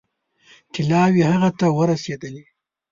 طلاوې هغه ته ورسېدلې.